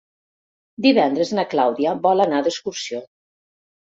Divendres na Clàudia vol anar d'excursió.